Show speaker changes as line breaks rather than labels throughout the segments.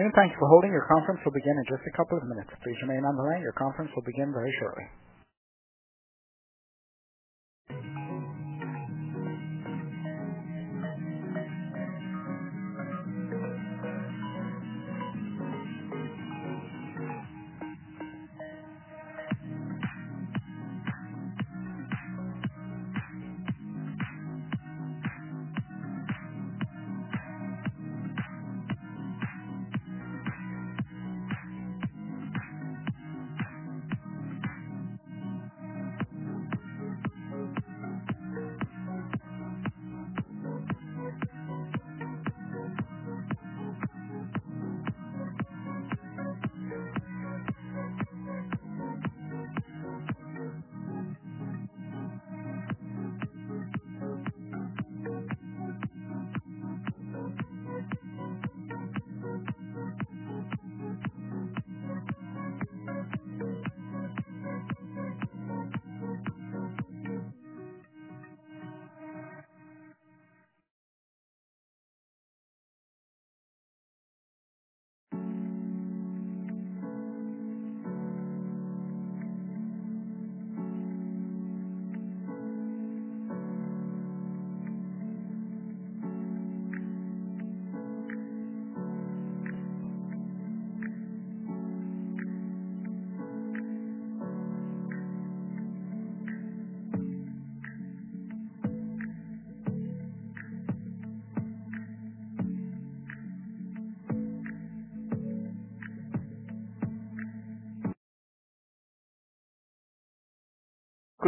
you, and thanks for holding. Your conference will begin in just a couple of minutes. Please remain on the line. Your conference will begin very shortly.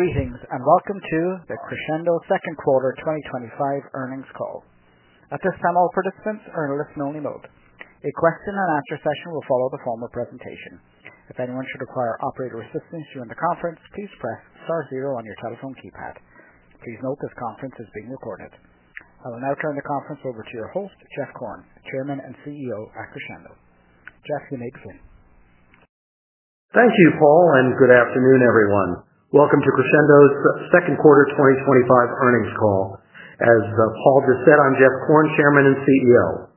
Greetings and welcome to the Crexendo Second Quarter 2025 Earnings Call. At this time, all participants are in a listen-only mode. A question-and-answer session will follow the formal presentation. If anyone should require operator assistance during the conference, please press star zero on your telephone keypad. Please note this conference is being recorded. I will now turn the conference over to your host, Jeff Korn, Chairman and CEO at Crexendo. Jeff, you may begin.
Thank you, Paul, and good afternoon, everyone. Welcome to Crexendo's Second Quarter 2025 Earnings Call. As Paul just said, I'm Jeff Korn, Chairman and CEO.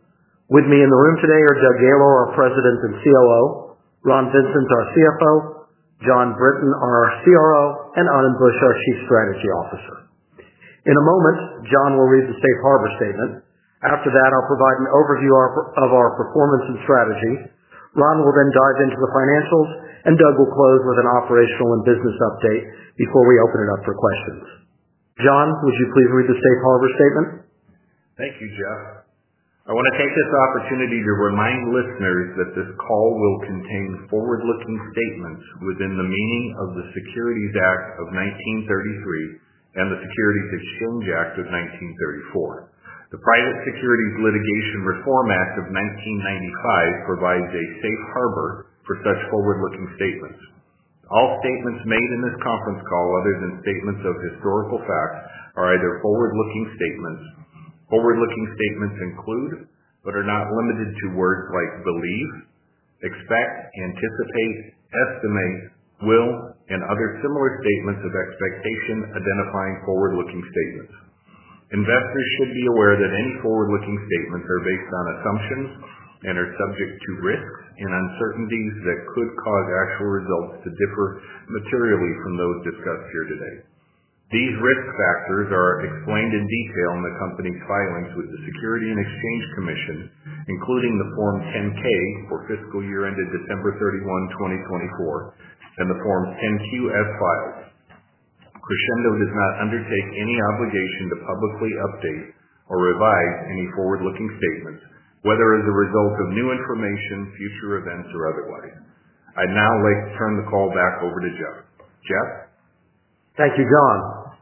With me in the room today are Doug Gaylor, our President and COO, Ron Vincent, our CFO, Jon Brinton, our CRO, and Anand Buch, our Chief Strategy Officer. In a moment, Jon will read the safe harbor statement. After that, I'll provide an overview of our performance and strategies. Ron will then dive into the financial, and Doug will close with an operational and business update before we open it up for questions. Jon, would you please read the safe harbor statement?
Thank you, Jeff. I want to take this opportunity to remind listeners that this call will contain forward-looking statements within the meaning of the Securities Act of 1933 and the Securities Exchange Act of 1934. The Private Securities Litigation Reform Act of 1995 provides a safe harbor for such forward-looking statements. All statements made in this conference call, other than statements of historical facts, are either forward-looking statements. Forward-looking statements include, but are not limited to, words like believe, expect, anticipate, estimate, will, and other similar statements of expectation identifying forward-looking statements. Investors should be aware that any forward-looking statements are based on assumptions and are subject to risks and uncertainties that could cause actual results to differ materially from those discussed here today. These risk factors are explained in detail in the company's filings with the Securities and Exchange Commission, including the Form 10-K for fiscal year ended December 31, 2024, and the Form 10-Q filings. Crexendo does not undertake any obligation to publicly update or revise any forward-looking statements, whether as a result of new information, future events, or otherwise. I'd now like to turn the call back over to Jeff. Jeff?
Thank you, Jon.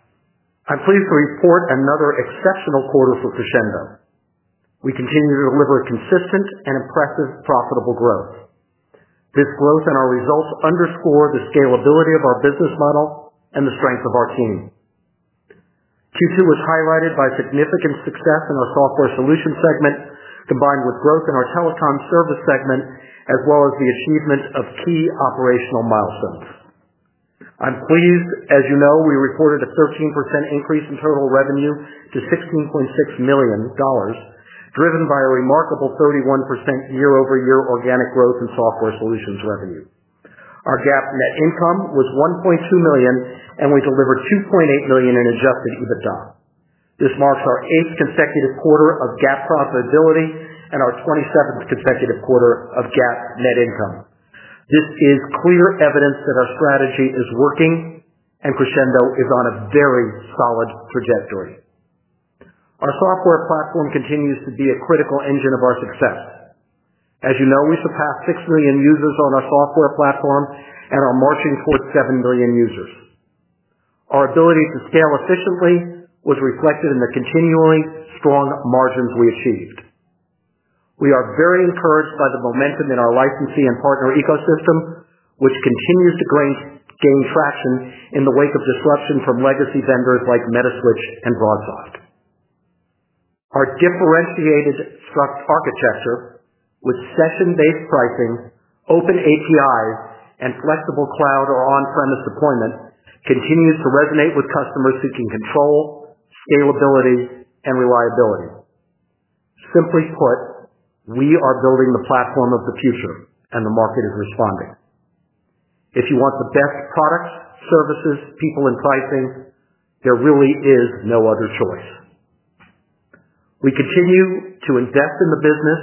I'm pleased to report another exceptional quarter for Crexendo. We continue to deliver consistent and impressive profitable growth. This growth in our results underscores the scalability of our business model and the strength of our team. Q2 was highlighted by significant success in our software solution segment, combined with growth in our telecom service segment, as well as the achievement of key operational milestones. I'm pleased. As you know, we reported a 13% increase in total revenue to $16.6 million, driven by a remarkable 31% year-over-year organic growth in software solutions revenue. Our GAAP net income was $1.2 million, and we delivered $2.8 million in adjusted EBITDA. This marks our eighth consecutive quarter of GAAP profitability and our 27th consecutive quarter of GAAP net income. This is clear evidence that our strategy is working and Crexendo is on a very solid trajectory. Our software platform continues to be a critical engine of our success. As you know, we surpassed 6 million users on our software platform and are marching towards 7 million users. Our ability to scale efficiently was reflected in the continually strong margins we achieved. We are very encouraged by the momentum in our licensee and partner ecosystem, which continues to gain traction in the wake of disruption from legacy vendors like Metaswitch and BroadSoft. Our differentiated architecture, with session-based pricing, open APIs, and flexible cloud or on-premise deployment, continues to resonate with customers seeking control, scalability, and reliability. Simply put, we are building the platform of the future, and the market is responding. If you want the best products, services, people, and pricing, there really is no other choice. We continue to invest in the business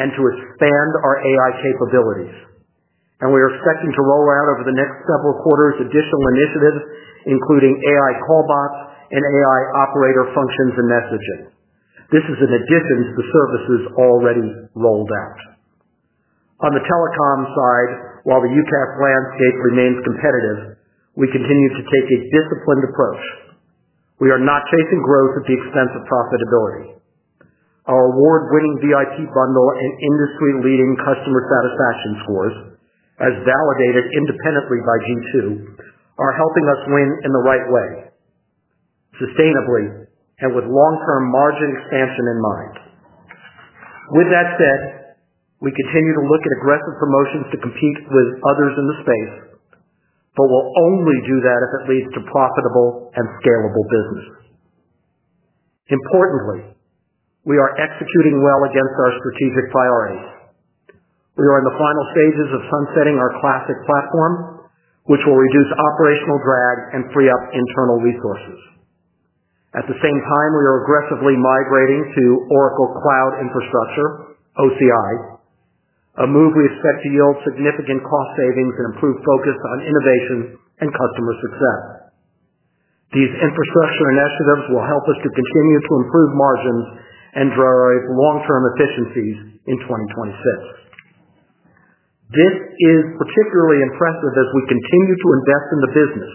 and to expand our AI capabilities, and we are expecting to roll out over the next several quarters additional initiatives, including AI callbots and AI operator functions and messaging. This is in addition to the services already rolled out. On the telecom side, while the UCaaS landscape remains competitive, we continue to take a disciplined approach. We are not chasing growth at the expense of profitability. Our award-winning VIP bundle and industry-leading customer satisfaction scores, as validated independently by Q2, are helping us win in the right ways, sustainably, and with long-term margin expansion in mind. With that said, we continue to look at aggressive promotions to compete with others in the space, but we'll only do that if it leads to profitable and scalable businesses. Importantly, we are executing well against our strategic priorities. We are in the final stages of sunsetting our classic platform, which will reduce operational drag and free up internal resources. At the same time, we are aggressively migrating to Oracle Cloud Infrastructure, OCI, a move we expect to yield significant cost savings and improved focus on innovation and customer success. These infrastructure initiatives will help us to continue to improve margins and drive long-term efficiencies in 2026. This is particularly impressive as we continue to invest in the business.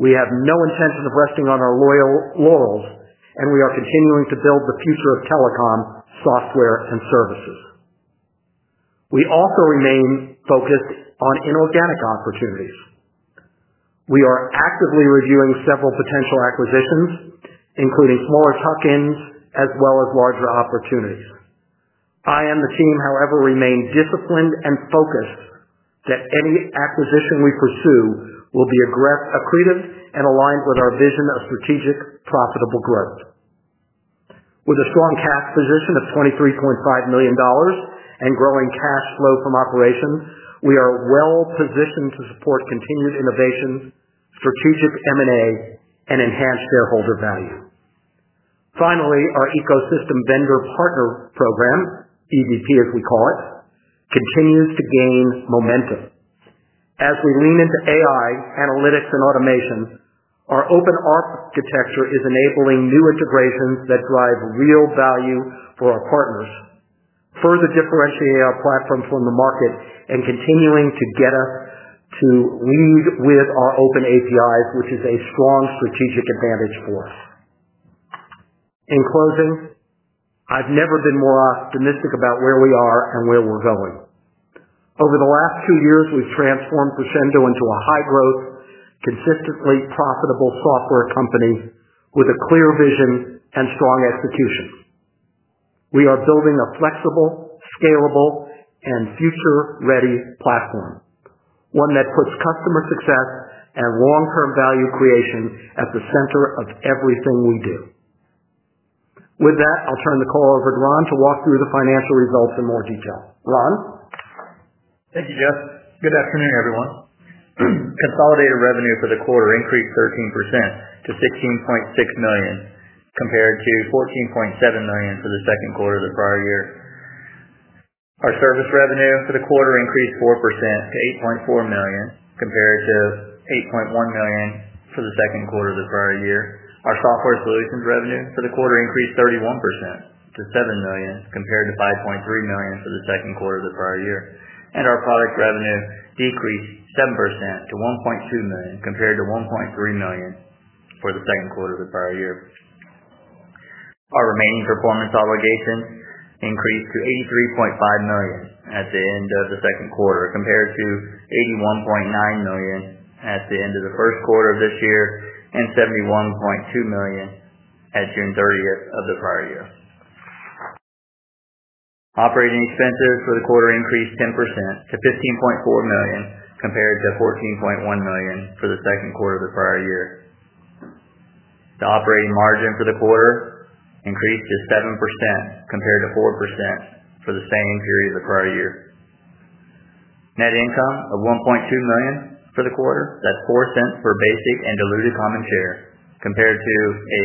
We have no intention of resting on our laurels, and we are continuing to build the future of telecom, software, and services. We also remain focused on inorganic opportunities. We are actively reviewing several potential acquisitions, including smaller tuck-ins as well as larger opportunities. I and the team, however, remain disciplined and focused that any acquisition we pursue will be accretive and aligned with our vision of strategic profitable growth. With a strong cash position of $23.5 million and growing cash flow from operations, we are well positioned to support continued innovations, strategic M&A, and enhanced shareholder value. Finally, our ecosystem vendor partner program, EVP, as we call it, continues to gain momentum. As we lean into AI, analytics, and automation, our open architecture is enabling new integrations that drive real value for our partners, further differentiating our platform from the market and continuing to get us to lead with our open APIs, which is a strong strategic advantage for us. In closing, I've never been more optimistic about where we are and where we're going. Over the last two years, we've transformed Crexendo into a high-growth, consistently profitable software company with a clear vision and strong execution. We are building a flexible, scalable, and future-ready platform, one that puts customer success and long-term value creation at the center of everything we do. With that, I'll turn the call over to Ron to walk through the financial results in more detail. Ron?
Thank you, Jeff. Good afternoon, everyone. Consolidated revenue for the quarter increased 13% to $16.6 million, compared to $14.7 million for the second quarter of the prior year. Our service revenue for the quarter increased 4% to $8.4 million, compared to $8.1 million for the second quarter of the prior year. Our software solutions revenue for the quarter increased 31% to $7 million, compared to $5.3 million for the second quarter of the prior year. Our product revenue decreased 7% to $1.2 million, compared to $1.3 million for the second quarter of the prior year. Our remaining performance obligations increased to $83.5 million at the end of the second quarter, compared to $81.9 million at the end of the first quarter of this year, and $71.2 million at June 30th of the prior year. Operating expenses for the quarter increased 10% to $15.4 million, compared to $14.1 million for the second quarter of the prior year. The operating margin for the quarter increased to 7%, compared to 4% for the same period of the prior year. Net income of $1.2 million for the quarter, that's $0.04 per basic and diluted common share, compared to a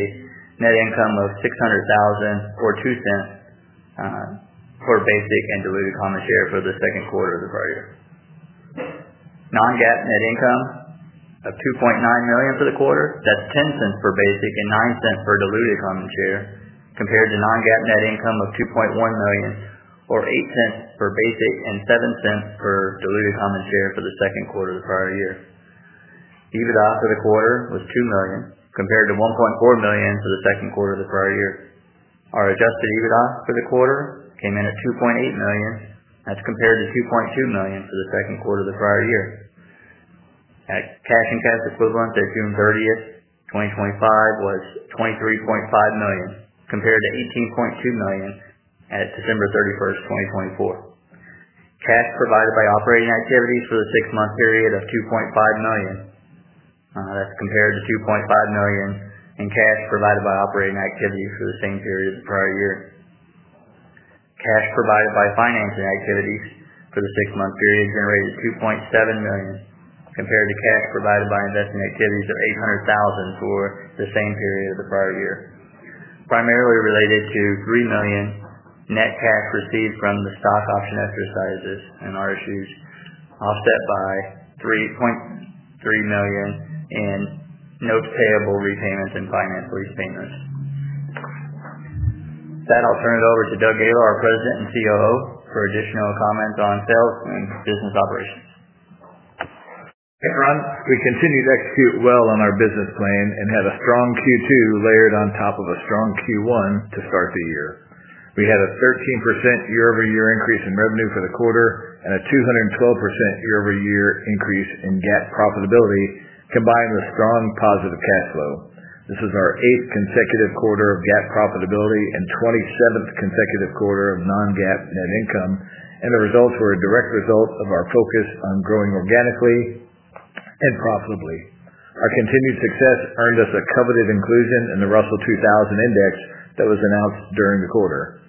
net income of $600,000 or $0.02 per basic and diluted common share for the second quarter of the prior year. Non-GAAP net income of $2.9 million for the quarter. that's $0.10 per basic and $0.09 per diluted common share, compared to non-GAAP net income of $2.1 million or $0.08 per basic and $0.07 per diluted common share for the second quarter of the prior year. EBITDA for the quarter was $2 million, compared to $1.4 million for the second quarter of the prior year. Our adjusted EBITDA for the quarter came in at $2.8 million, compared to $2.2 million for the second quarter of the prior year. Cash and cash equivalents at June 30th, 2025 was $23.5 million, compared to $18.2 million at December 31st, 2024. Cash provided by operating activities for the six-month period was $2.5 million, compared to $2.5 million in cash provided by operating activities for the same period of the prior year. Cash provided by financing activities for the six-month period generated $2.7 million, compared to cash provided by investing activities of $800,000 for the same period of the prior year, primarily related to $3 million net cash received from the stock option exercises and RSUs, offset by $3.3 million in notes payable, repayments, and finance lease payments. I'll turn it over to Doug Gaylor, our President and COO, for additional comments on sales and business operations.
Ron, we continue to execute well on our business plan and have a strong Q2 layered on top of a strong Q1 to start the year. We had a 13% year-over-year increase in revenue for the quarter and a 212% year-over-year increase in GAAP profitability, combined with strong positive cash flow. This is our eighth consecutive quarter of GAAP profitability and 27th consecutive quarter of non-GAAP net income, and the results were a direct result of our focus on growing organically and profitably. Our continued success earned us a coveted inclusion in the Russell 2000 Index that was announced during the quarter.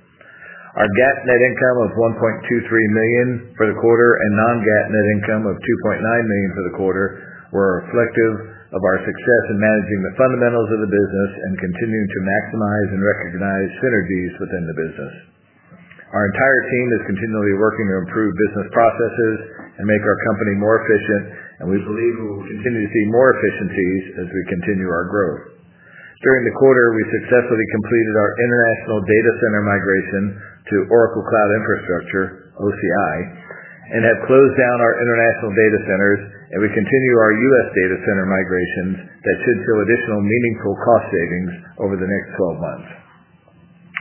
Our GAAP net income of $1.23 million for the quarter and non-GAAP net income of $2.9 million for the quarter were reflective of our success in managing the fundamentals of the business and continuing to maximize and recognize synergies within the business. Our entire team is continually working to improve business processes and make our company more efficient, and we believe we will continue to see more efficiencies as we continue our growth. During the quarter, we successfully completed our international data center migration to Oracle Cloud Infrastructure, OCI, and have closed down our international data centers, and we continue our U.S. data center migrations that should show additional meaningful cost savings over the next 12 months.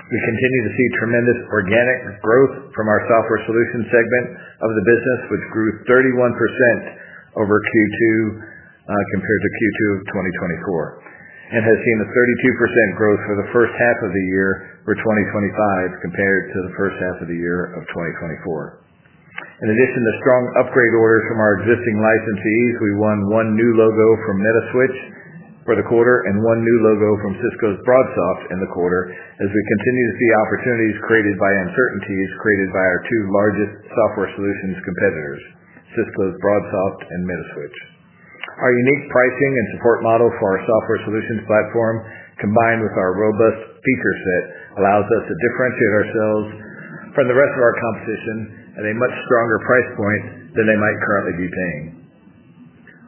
We continue to see tremendous organic growth from our software solutions segment of the business, which grew 31% over Q2, compared to Q2 of 2024, and has seen a 32% growth for the first half of the year for 2025, compared to the first half of the year of 2024. In addition to strong upgrade orders from our existing licensees, we won one new logo from Metaswitch for the quarter and one new logo from Cisco's BroadSoft in the quarter, as we continue to see opportunities created by uncertainties created by our two largest software solutions competitors, Cisco's BroadSoft and Metaswitch. Our unique pricing and support model for our software solutions platform, combined with our robust feature set, allows us to differentiate ourselves from the rest of our competition at a much stronger price point than they might currently be paying.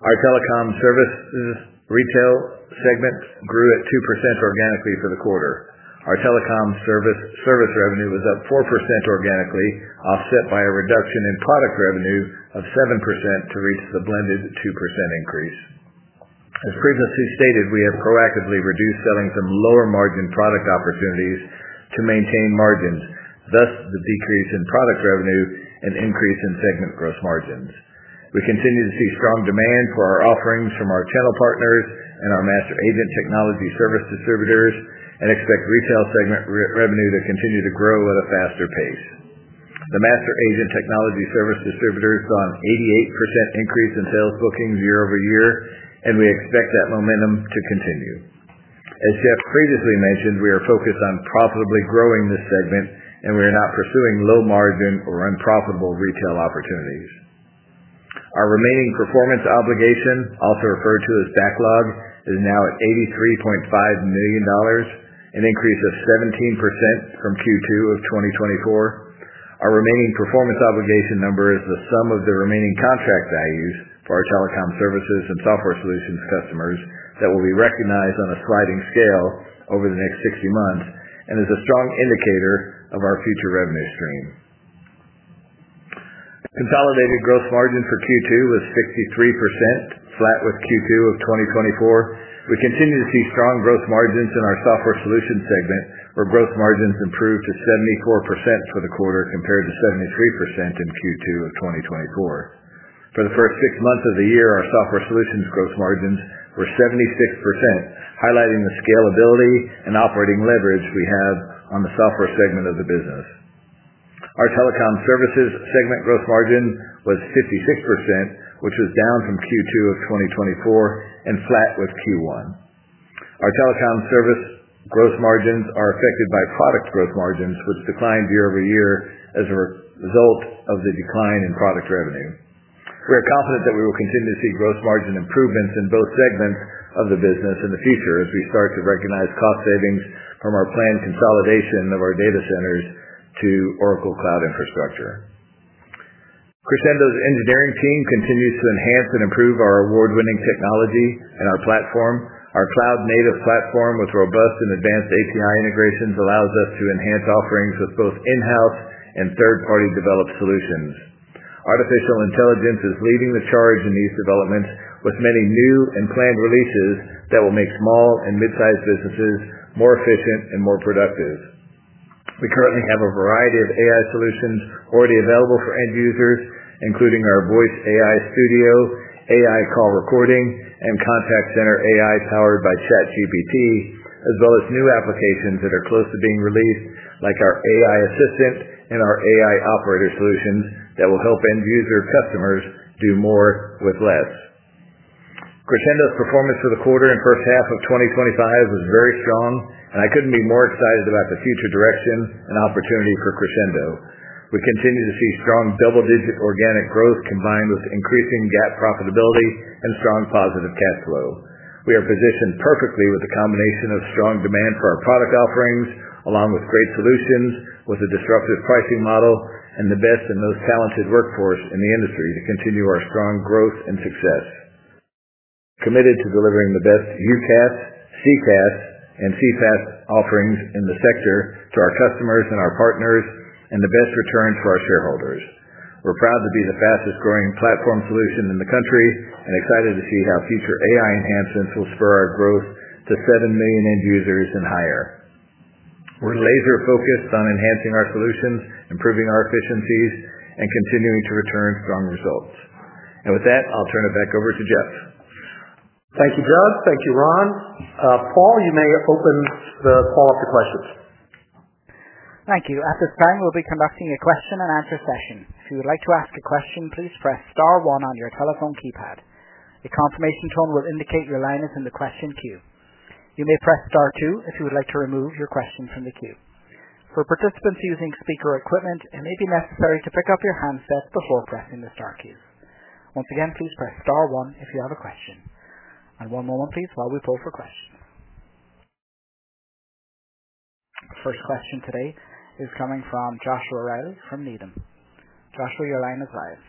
Our telecom services retail segment grew at 2% organically for the quarter. Our telecom service revenue was up 4% organically, offset by a reduction in product revenue of 7% to reach the blended 2% increase. As previously stated, we have proactively reduced selling from lower margin product opportunities to maintain margins, thus the decrease in product revenue and increase in segment gross margins. We continue to see strong demand for our offerings from our channel partners and our master agent technology service distributors and expect retail segment revenue to continue to grow at a faster pace. The master agent technology service distributors saw an 88% increase in sales bookings year-over-year, and we expect that momentum to continue. As Jeff previously mentioned, we are focused on profitably growing this segment, and we are not pursuing low margin or unprofitable retail opportunities. Our remaining performance obligation, also referred to as backlog, is now at $83.5 million, an increase of 17% from Q2 of 2024. Our remaining performance obligation number is the sum of the remaining contract values for our telecom services and software solutions customers that will be recognized on a sliding scale over the next 60 months and is a strong indicator of our future revenue stream. Consolidated gross margin for Q2 was 63%, flat with Q2 of 2024. We continue to see strong gross margins in our software solutions segment, where gross margins improved to 74% for the quarter, compared to 73% in Q2 of 2024. For the first six months of the year, our software solutions gross margins were 76%, highlighting the scalability and operating leverage we have on the software segment of the business. Our telecom services segment gross margin was 56%, which was down from Q2 of 2024 and flat with Q1. Our telecom service gross margins are affected by product gross margins, which declined year-over-year as a result of the decline in product revenue. We are confident that we will continue to see gross margin improvements in both segments of the business in the future as we start to recognize cost savings from our planned consolidation of our data centers to Oracle Cloud Infrastructure. Crexendo's engineering team continues to enhance and improve our award-winning technology and our platform. Our cloud-native platform, with robust and advanced API integrations, allows us to enhance offerings with both in-house and third-party developed solutions. Artificial intelligence is leading the charge in these developments, with many new and planned releases that will make small and mid-sized businesses more efficient and more productive. We currently have a variety of AI solutions already available for end users, including our voice AI studio, AI call recording, and contact center AI powered by ChatGPT, as well as new applications that are close to being released, like our AI assistant and our AI operator solutions that will help end user customers do more with less. Crexendo's performance for the quarter and first half of 2025 was very strong, and I couldn't be more excited about the future direction and opportunity for Crexendo. We continue to see strong double-digit organic growth combined with increasing GAAP profitability and strong positive cash flow. We are positioned perfectly with the combination of strong demand for our product offerings, along with great solutions, with a disruptive pricing model, and the best and most talented workforce in the industry to continue our strong growth and success. We are committed to delivering the best UCaaS, CCaaS, and CFaaS offerings in the sector to our customers and our partners, and the best returns for our shareholders. We're proud to be the fastest growing platform solution in the country and excited to see how future AI enhancements will spur our growth to 7 million end users and higher. We're laser-focused on enhancing our solutions, improving our efficiencies, and continuing to return strong results. With that, I'll turn it back over to Jeff.
Thank you, Jon. Thank you, Ron. Paul, you may open the call up to questions.
Thank you. At this time, we'll be conducting a question and answer session. If you would like to ask a question, please press star one on your telephone keypad. A confirmation tone will indicate your line is in the question queue. You may press star two if you would like to remove your question from the queue. For participants using speaker equipment, it may be necessary to pick up your handset before pressing the star queues. Once again, please press star one if you have a question. One moment, please, while we pull for questions. First question today is coming from Joshua Reilly from Needham. Joshua, your line of clients.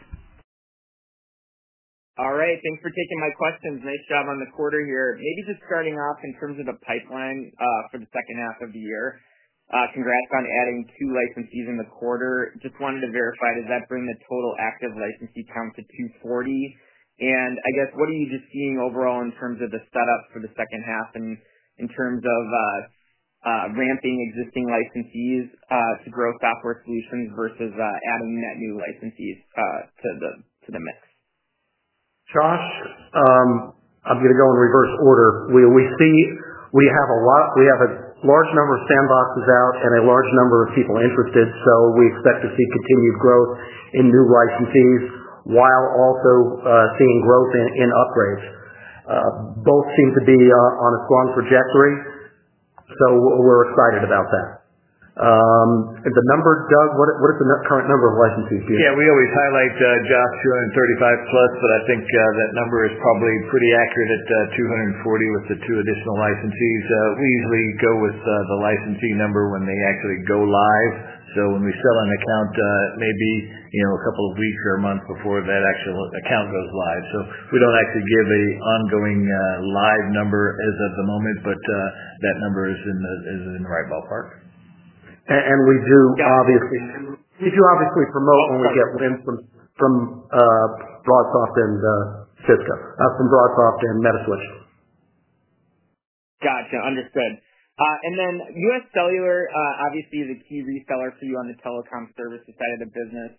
All right. Thanks for taking my questions. Nice job on the quarter here. Maybe just starting off in terms of the pipeline for the second half of the year. Congrats on adding two licensees in the quarter. Just wanted to verify, does that bring the total active licensee count to 240? I guess, what are you just seeing overall in terms of the setup for the second half and in terms of ramping existing licensees to grow software solutions versus adding net new licensees to the mix?
Josh, I'm going to go in reverse order. We have a lot, we have a large number of sandboxes out and a large number of people interested, so we expect to see continued growth in new licensees while also seeing growth in upgrades. Both seem to be on a strong trajectory, so we're excited about that. The number, Doug, what is the current number of licensees?
Yeah, we always highlight, Josh, 235+, but I think that number is probably pretty accurate at 240 with the two additional licensees. We usually go with the licensee number when they actually go live. When we sell an account, it may be, you know, a couple of weeks or a month before that actual account goes live. We don't actually give an ongoing, live number as of the moment, but that number is in the right ballpark.
We do obviously promote when we get wind from BroadSoft and Cisco, from BroadSoft and Metaswitch.
Gotcha. Understood. UScellular obviously is a key reseller for you on the telecom services side of the business.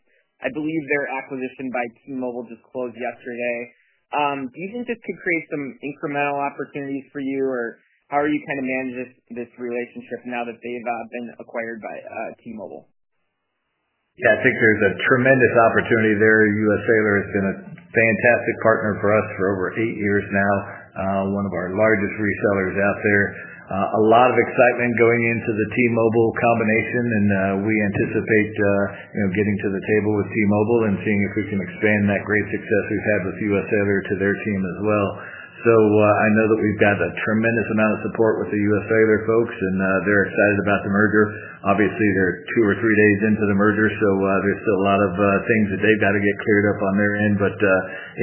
I believe their acquisition by T-Mobile just closed yesterday. Do you think this could create some incremental opportunities for you, or how are you trying to manage this relationship now that they've been acquired by T-Mobile?
Yeah, I think there's a tremendous opportunity there. US Cellular has been a fantastic partner for us for over eight years now, one of our largest resellers out there. There's a lot of excitement going into the T-Mobile combination, and we anticipate getting to the table with T-Mobile and seeing if we can expand that great success we've had with UScellular to their team as well. I know that we've got a tremendous amount of support with the UScellular folks, and they're excited about the merger. Obviously, they're two or three days into the merger, so there's still a lot of things that they've got to get cleared up on their end.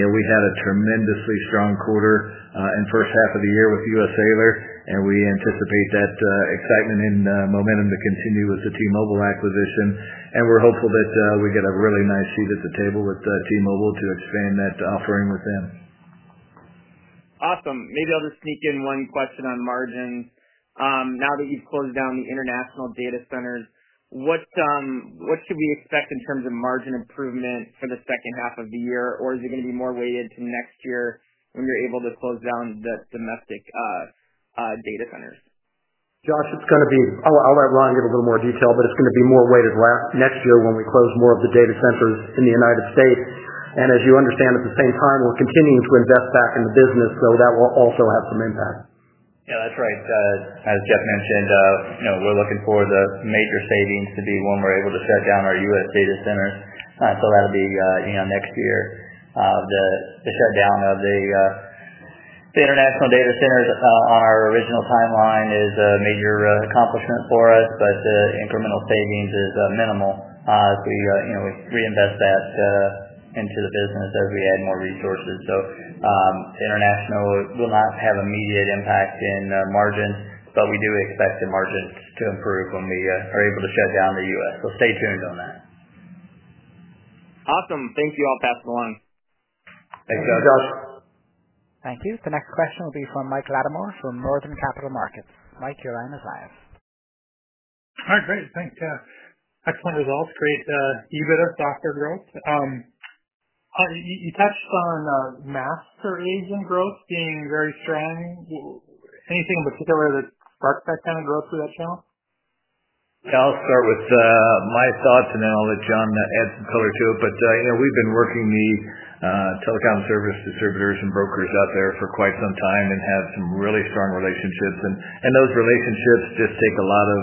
We had a tremendously strong quarter in the first half of the year with UScellular, and we anticipate that excitement and momentum to continue with the T-Mobile acquisition. We're hopeful that we get a really nice seat at the table with T-Mobile to expand that offering with them.
Awesome. Maybe I'll just sneak in one question on margin. Now that you've closed down the international data centers, what should we expect in terms of margin improvement for the second half of the year, or is it going to be more weighted to next year when you're able to close down the domestic data centers?
Josh, it's going to be, I'll let Ron give a little more detail, but it's going to be more weighted next year when we close more of the data centers in the United States. As you understand, at the same time, we're continuing to invest back in the business, so that will also have some impact.
Yeah, that's right. As Jeff mentioned, we're looking for the major savings to be when we're able to shut down our U.S. data centers. That'll be next year. The shutdown of the international data centers on our original timeline is a major accomplishment for us, but the incremental savings is minimal if we reinvest that into the business as we add more resources. International will not have immediate impact in margins, but we do expect the margins to improve when we are able to shut down the U.S. Stay tuned on that.
Awesome. Thanks to you. I'll pass the line.
Thanks, guys.
Josh.
Thank you. The next question will be from Mike Latimore from Northland Capital Markets. Mike, your line is on.
All right. Great. Thanks, Jeff. Excellent results. Great EBITDA software growth. You touched on master agent growth being very strong. Anything in particular that sparked that kind of growth for that channel?
Yeah, I'll start with my thoughts, and then I'll let Jon add some color to it. We've been working the telecom service distributors and brokers out there for quite some time and have some really strong relationships. Those relationships just take a lot of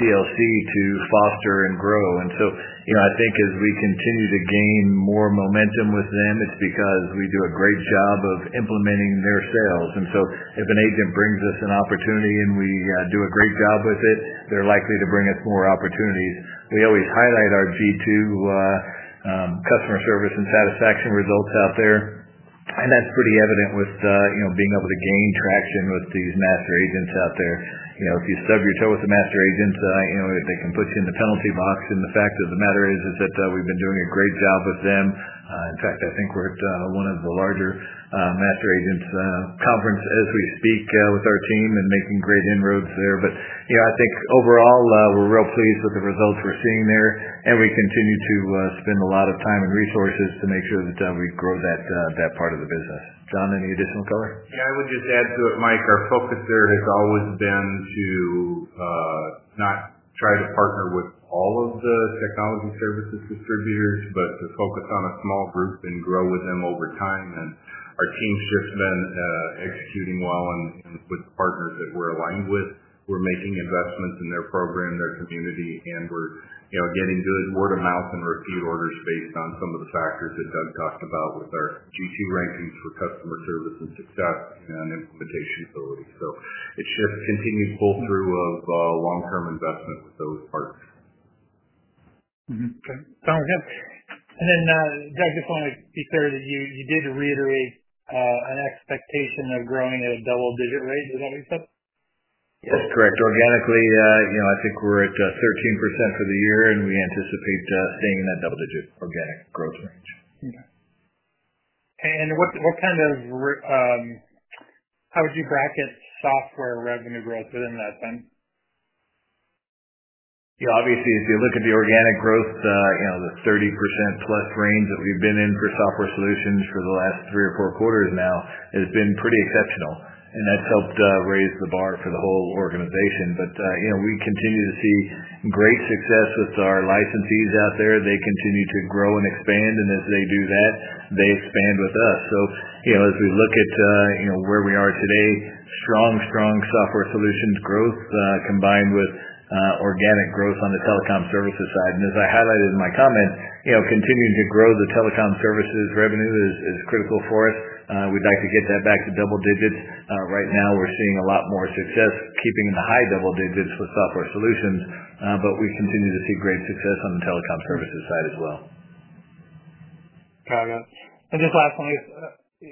TLC to foster and grow. I think as we continue to gain more momentum with them, it's because we do a great job of implementing their sales. If an agent brings us an opportunity and we do a great job with it, they're likely to bring us more opportunities. We always highlight our G2 customer service and satisfaction results out there, and that's pretty evident with being able to gain traction with these master agents out there. If you stub your toe with a master agent, they can put you in the penalty box. The fact of the matter is that we've been doing a great job with them. In fact, I think we're at one of the larger master agents' conferences as we speak, with our team and making great inroads there. I think overall, we're real pleased with the results we're seeing there, and we continue to spend a lot of time and resources to make sure that we grow that part of the business. Jon, any additional color?
Yeah, I would just add to it, Mike. Our focus has always been to not try to partner with all of the technology services distributors, but to focus on a small group and grow with them over time. Our team's just been executing well, and with partners that we're aligned with, we're making investments in their program, their community, and we're getting good word of mouth and receive orders based on some of the factors that Doug talked about with our G2 rankings for customer service and success and implementation ability. It's just continued pull-through of long-term investments with those partners.
Okay. Sounds good. Doug, just want to be clear that you did reiterate an expectation of growing at a double-digit rate. Is that what you said?
Yes, correct. Organically, you know, I think we're at 13% for the year, and we anticipate staying in that double-digit organic growth rate.
Okay. What kind of, how would you bracket software revenue growth within that then?
Yeah, obviously, if you look at the organic growth, the 30%+ range that we've been in for software solutions for the last three or four quarters now has been pretty exceptional. That's helped raise the bar for the whole organization. We continue to see great success with our licensees out there. They continue to grow and expand, and as they do that, they expand with us. As we look at where we are today, strong software solutions growth combined with organic growth on the telecom services side. As I highlighted in my comment, continuing to grow the telecom services revenue is critical for us. We'd like to get that back to double digits. Right now, we're seeing a lot more success keeping the high double-digits for software solutions, but we continue to see great success on the telecom services side as well.
Got it. Lastly,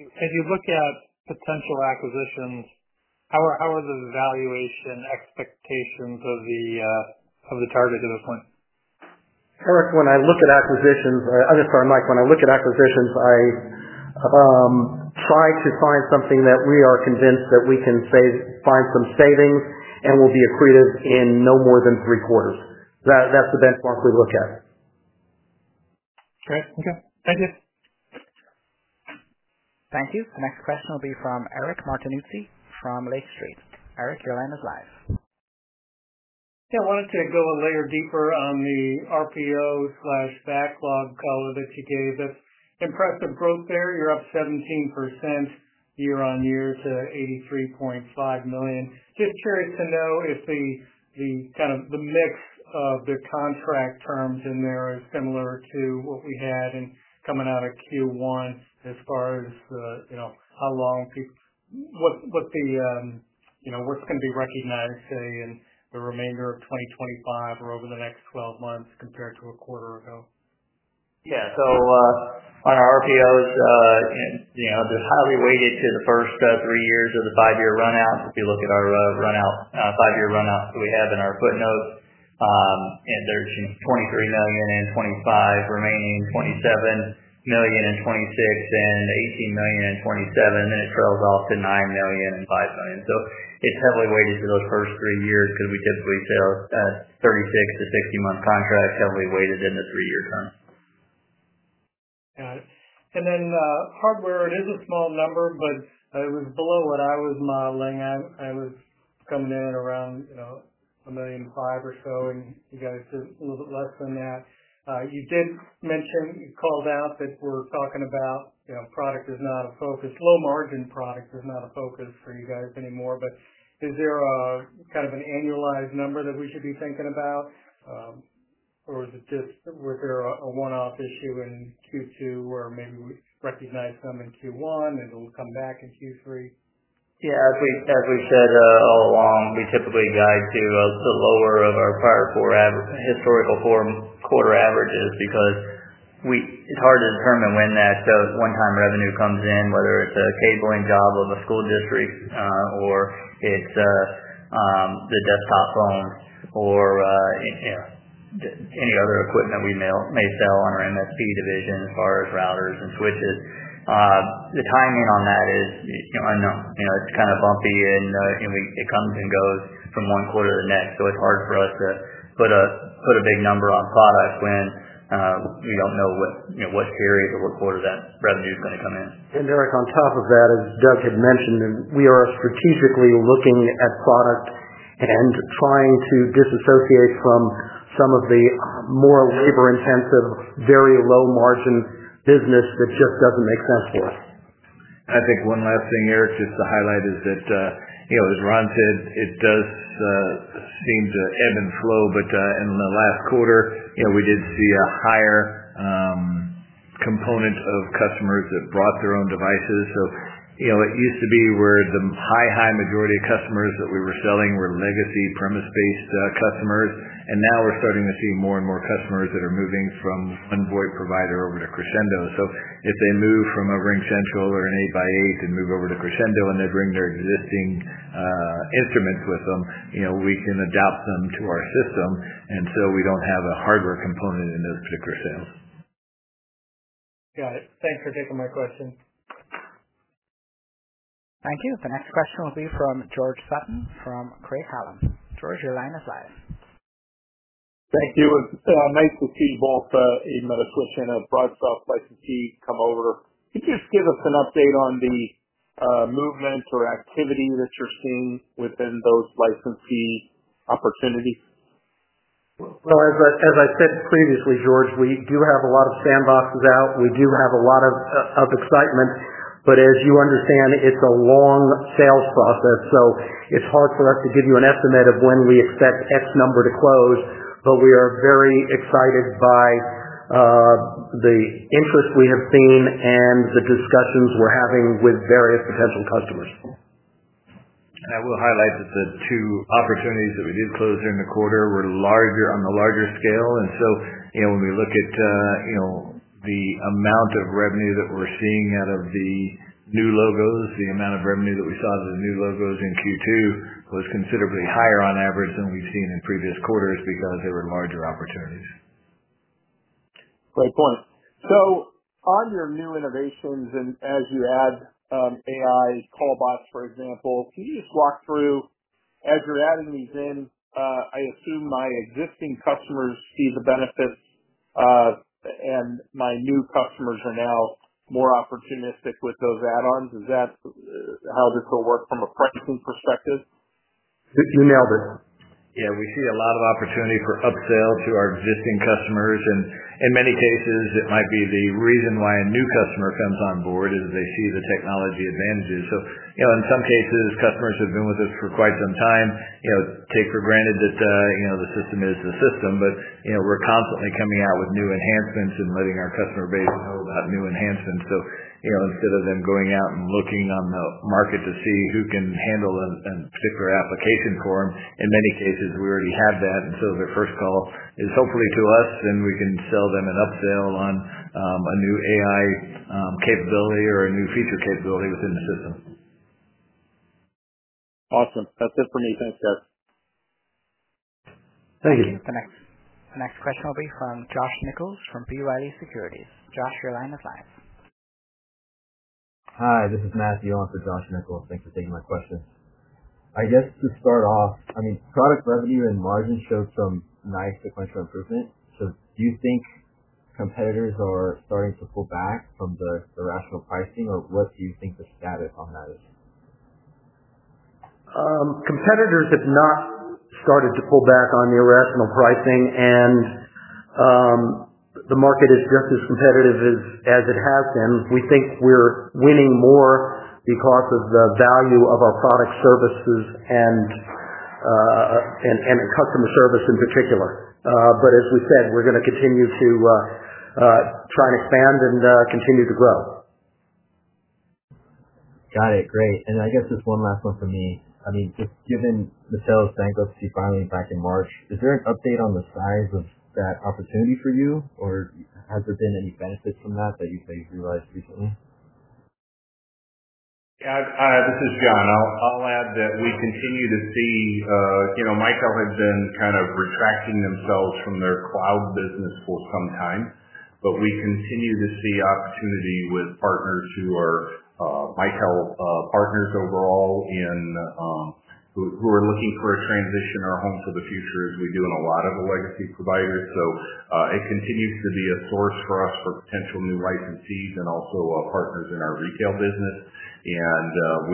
as you look at potential acquisitions, how are the valuation expectations of the target at this point?
Eric, when I look at acquisitions, I'm just sorry, Mike. When I look at acquisitions, I try to find something that we are convinced that we can say find some savings and will be accretive in no more than three quarters. That's the benchmark we look at.
Great. Okay. Thank you.
Thank you. The next question will be from Eric Martinuzzi from Lake Street. Eric, your line is live.
Yeah, I wanted to go a layer deeper on the RPO/backlog color that you gave. That's impressive growth there. You're up 17% year-on-year to $83.5 million. Just curious to know if the kind of the mix of the contract terms in there is similar to what we had coming out of Q1 as far as, you know, how long people, what the, you know, what's going to be recognized, say, in the remainder of 2025 or over the next 12 months compared to a quarter ago?
Yeah. On our RPOs, you know, they're highly weighted to the first three years of the five-year runout. If you look at our runout, five-year runout that we have in our footnotes, there's some $23 million in 2025 remaining, $27 million in 2026, and $18 million in 2027, and then it trails off to $9 million and $5 million. It's heavily weighted to the first three years because we typically sell 36- to 60-month contracts, heavily weighted in the three-year time.
Got it. Hardware, it is a small number, but it was below what I was modeling. I was coming in around $1.5 million or so, and you guys did a little bit less than that. You did mention, you called out that we're talking about, you know, product is not a focus, low margin product is not a focus for you guys anymore. Is there a kind of an annualized number that we should be thinking about, or was there a one-off issue in Q2 where maybe we recognized some in Q1 and it'll come back in Q3?
Yeah, as we said all along, we typically guide to the lower of our prior four historical four-quarter averages because it's hard to determine when that one-time revenue comes in, whether it's a cabling job of a school district, or it's the desktop phones or any other equipment we may sell on our MLP division as far as routers and switches. The timing on that is, you know, it's kind of bumpy and it comes and goes from one quarter to the next. It's hard for us to put a big number on products when we don't know what series or what quarter that revenue is going to come in.
Eric, as Doug had mentioned, we are strategically looking at product and trying to disassociate from some of the more labor-intensive, very low margin business that just doesn't make sense for us.
I think one last thing, Eric, just to highlight is that, granted, it does seem to ebb and flow, but in the last quarter, we did see a higher component of customers that brought their own devices. It used to be where the high, high majority of customers that we were selling were legacy premise-based customers, and now we're starting to see more and more customers that are moving from Envoy provider over to Crexendo. If they move from a RingCentral or an 8x8 and move over to Crexendo and they bring their existing instruments with them, we can adopt them to our system. We don't have a hardware component in those particular sales.
Got it. Thanks for taking my questions.
Thank you. The next question will be from George Sutton from Craig-Hallum. George, your line is live.
Thank you. It's nice to see both Metaswitch and a BroadSoft licensee come over. Could you just give us an update on the movement or activity that you're seeing within those licensee opportunities?
As I said previously, George, we do have a lot of sandboxes out. We do have a lot of excitement. As you understand, it's a long sales process. It's hard for us to give you an estimate of when we expect X number to close, but we are very excited by the interest we have seen and the discussions we're having with various potential customers.
I will highlight that the two opportunities that we did close during the quarter were on the larger scale. When we look at the amount of revenue that we're seeing out of the new logos, the amount of revenue that we saw out of the new logos in Q2 was considerably higher on average than we've seen in previous quarters because they were larger opportunities.
Great point. On your new innovations, and as you add AI callbots, for example, can you just walk through as you're adding these in? I assume my existing customers see the benefits, and my new customers are now more opportunistic with those add-ons. Is that how this will work from a pricing perspective?
You nailed it.
Yeah, we see a lot of opportunity for upsell to our existing customers. In many cases, it might be the reason why a new customer comes on board is they see the technology advantages. In some cases, customers have been with us for quite some time, take for granted that the system is the system, but we're constantly coming out with new enhancements and letting our customer base know about new enhancements. Instead of them going out and looking on the market to see who can handle a particular application for them, in many cases, we already have that. The first call is hopefully to us, and we can sell them an upsell on a new AI capability or a new feature capability within the system.
Awesome. That's it for me. Thanks, guys.
Thank you.
Thank you. The next question will be from Josh Nichols from Craig-Hallum. Josh, your line is live.
Hi, this is Matthew on for Josh Nichols. Thanks for taking my question. I guess to start off, I mean, product revenue and margin showed some nice sequential improvement. Do you think competitors are starting to pull back from the rational pricing, or what do you think the status on that is?
Competitors have not started to pull back on irrational pricing, and the market is just as competitive as it has been. We think we're winning more because of the value of our product services and customer service in particular. As we said, we're going to continue to try and expand and continue to grow.
Got it. Great. I guess just one last one for me. Just given the Mitel's bankruptcy filing back in March, is there an update on the size of that opportunity for you, or have there been any benefits from that that you've realized recently?
Yeah, this is Jon. I'll add that we continue to see, you know, Mitel had been kind of retracting themselves from their cloud business for some time, but we continue to see opportunity with partners who are Mitel partners overall and who are looking for a transition or a home for the future as we do in a lot of the legacy providers. It continues to be a source for us for potential new licensees and also partners in our retail business.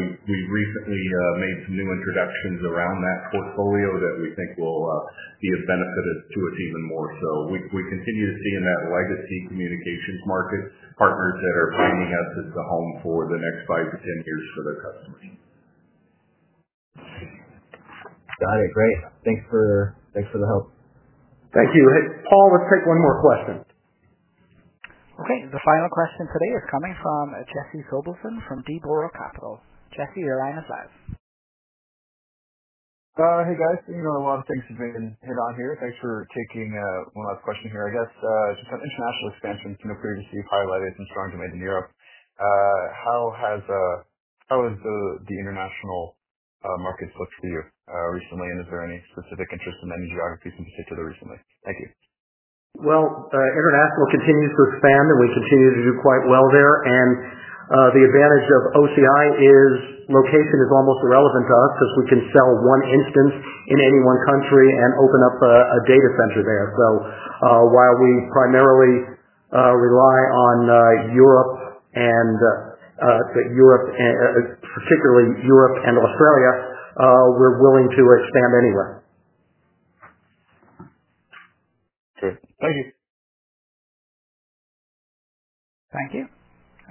We recently made some new introductions around that portfolio that we think will be of benefit to us even more. We continue to see in that legacy communications market partners that are bringing us as the home for the next five to 10 years for their customers.
Got it. Great. Thanks for the help.
Thank you. Paul, let's take one more question.
Okay. The final question today is coming from Jesse Sobelson from D. Bora Capital. Jesse, your line is live.
Hey, guys. A lot of things have been hit on here. Thanks for taking one last question here. I guess, to cut this national stance, and you know, previously you've highlighted some strong demand in Europe. How has the international markets looked to you recently, and is there any specific interest in any geographies in particular recently? Thank you.
International continues to expand, and we continue to do quite well there. The advantage of OCI is location is almost irrelevant to us because we can sell one instance in any one country and open up a data center there. While we primarily rely on Europe, and particularly Europe and Australia, we're willing to expand anywhere.
Great. Thank you.
Thank you.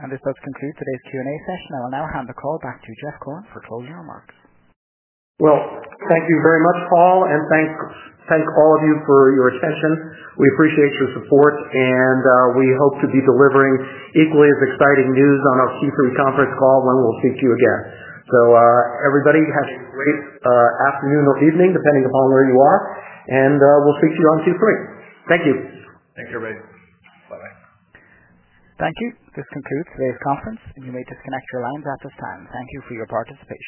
This does conclude today's Q&A session. I will now hand the call back to Jeff Korn for closing remarks.
Thank you very much, Paul, and thank all of you for your attention. We appreciate your support, and we hope to be delivering equally as exciting news on our Q3 conference call when we'll speak to you again. Everybody has a great afternoon or evening, depending upon where you are, and we'll speak to you on Q3. Thank you.
Thank you, everybody. Bye-bye.
Thank you. This concludes today's conference, and you may disconnect your lines at this time. Thank you for your participation.